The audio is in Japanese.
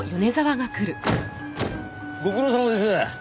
ご苦労さまです。